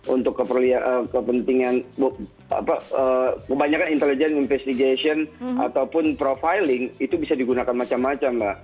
untuk kepentingan kebanyakan intelligence investigation ataupun profiling itu bisa digunakan macam macam mbak